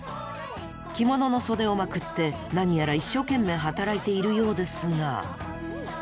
着物の袖をまくって何やら一生懸命働いているようですが。